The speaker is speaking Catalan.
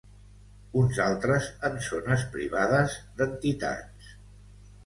uns altres en zones privades d'entitats